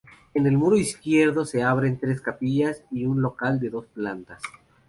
En el muro izquierdo se abren tres capillas y un local de dos plantas.